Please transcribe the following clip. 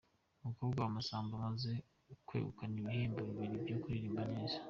Umukobwa wa Masamba amaze kwegukana ibihembo bibiri byo kuririmba neza